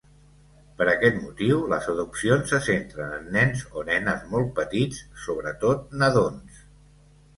Per aquest motiu, les adopcions se centren en nens o nenes molt petits, sobretot nadons.